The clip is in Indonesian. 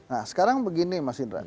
nah sekarang begini mas indra